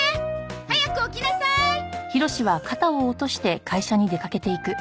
早く起きなさい！はあ。